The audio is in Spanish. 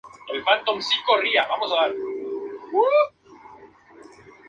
Ante esta contraofensiva las fuerzas aliadas tienen que luchar duramente contra las tropas alemanas.